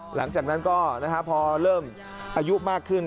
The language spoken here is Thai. หลังจากนั้นก็พอเริ่มอายุมากขึ้น